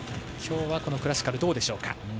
今日、このクラシカルはどうでしょうか。